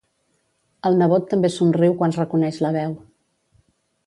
El nebot també somriu quan reconeix la veu.